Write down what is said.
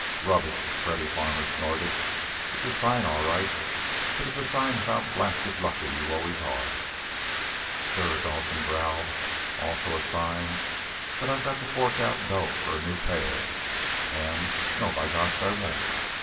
"Rubbish!" Freddy Farmer snorted. "It's a sign, all right. But it's a sign of how blasted lucky you always are!" "Sure!" Dawson growled. "Also a sign that I've got to fork out dough for a new pair, and No, by gosh, I won't!